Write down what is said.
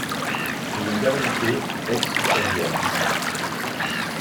Rue d'Arliquet, Aixe-sur-Vienne